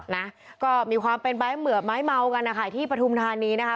นะก็มีความเป็นไม้เหมือบไม้เมากันนะคะที่ปฐุมธานีนะคะ